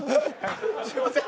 すいません。